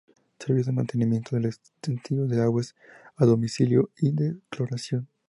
Servicio de mantenimiento del abastecimiento de aguas a domicilio y su cloración.